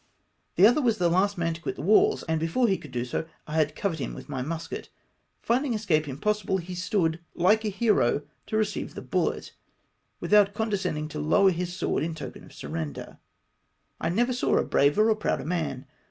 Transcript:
The other was the last man to quit the walls, and before he could do so, I had covered him with my musket. Finding escape impossible, he stood hke a hero to receive the bullet, without condescending to lower his sword in X 4 312 BEAVERY OF A FRENCH SOLDIER. token of surrender. I never saw a braver or a prouder man.